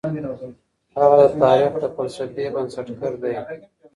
هغه د تاريخ د فلسفې بنسټګر دی.